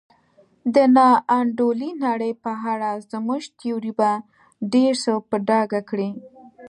د نا انډولې نړۍ په اړه زموږ تیوري به ډېر څه په ډاګه کړي.